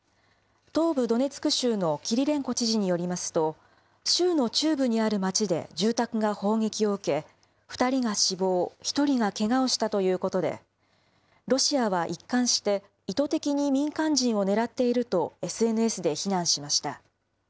東部ドネツク州のキリレンコ知事によりますと、州の中部にある町で住宅が砲撃を受け、２人が死亡、１人がけがをしたということで、ロシアは一貫して意図的に民間人を狙っているとＳＮＳで非難しました。